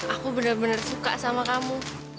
aku bener bener suka sama kamu